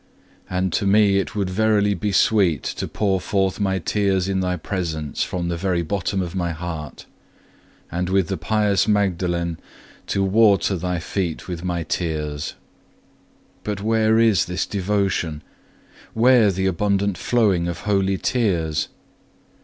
And to me it would verily be sweet to pour forth my tears in Thy presence from the very bottom of my heart, and with the pious Magdalene to water Thy feet with my tears. But where is this devotion? Where the abundant flowing of holy tears?